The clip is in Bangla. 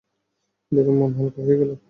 দেখে মন হালকা হয়ে গেলো।